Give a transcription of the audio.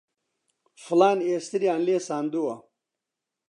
فڵان ئێستریان لێ ساندووە